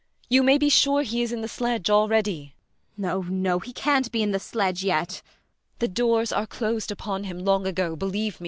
You may be sure he is in the sledge already. MRS. BORKMAN. No, no; he can't be in the sledge yet! ELLA RENTHEIM. The doors are closed upon him long ago, believe me.